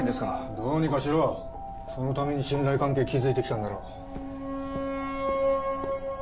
どうにかしろそのために信頼関係築いて来たんだろう。